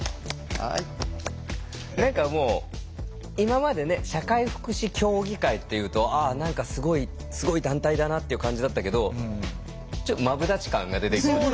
何かもう今までね社会福祉協議会っていうと何かすごいすごい団体だなっていう感じだったけどマブダチ感が出てきましたね。